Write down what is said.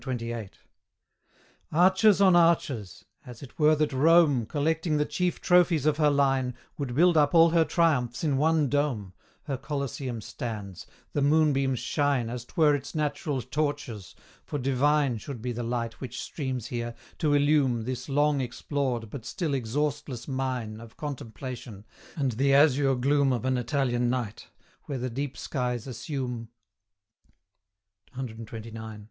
CXXVIII. Arches on arches! as it were that Rome, Collecting the chief trophies of her line, Would build up all her triumphs in one dome, Her Coliseum stands; the moonbeams shine As 'twere its natural torches, for divine Should be the light which streams here, to illume This long explored but still exhaustless mine Of contemplation; and the azure gloom Of an Italian night, where the deep skies assume CXXIX.